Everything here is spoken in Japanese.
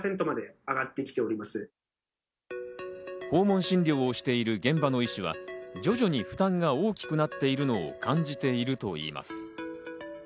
訪問診療をしている現場の医師は徐々に負担が大きくなっているのを感じているといいます。